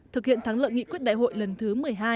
thực hiện thắng lợi nghị quyết đại hội lần thứ một mươi hai